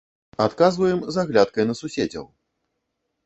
Адказваем з аглядкай на суседзяў.